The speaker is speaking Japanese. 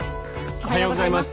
おはようございます。